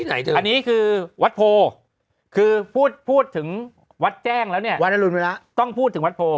อันนี้คือวัดโพคือพูดถึงวัดแจ้งแล้วเนี่ยต้องพูดถึงวัดโพ